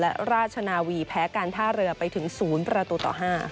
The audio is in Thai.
และราชนาวีแพ้การท่าเรือไปถึง๐ประตูต่อ๕